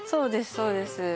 そうです